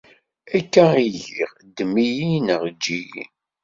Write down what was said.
Akka i giɣ, ddem-iyi neɣ eǧǧ-iyi.